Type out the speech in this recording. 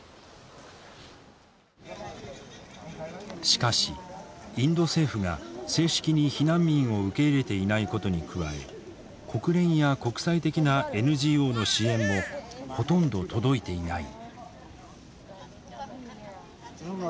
しかしインド政府が正式に避難民を受け入れていないことに加え国連や国際的なＮＧＯの支援もほとんど届いていない。